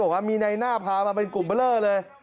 บอกว่ามีในหน้าพามาเป็นกลุ่มเบลอเลย